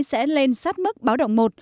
sẽ lên sát mức báo động một